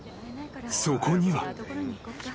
［そこには］